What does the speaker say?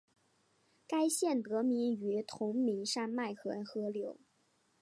该县得名于同名山脉和河流。